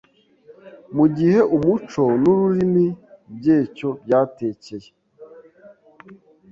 mu gihe umuco n’ururimi byecyo byetekeye